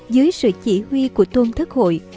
dưới sự chỉ huy của tôn thức hội